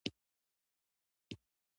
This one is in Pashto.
فاریاب د افغانستان د طبیعت برخه ده.